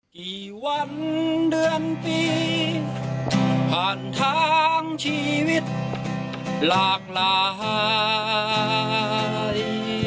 ผ่านทางชีวิตหลากหลาย